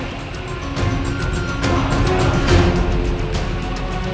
jangan jangan dia sudah mati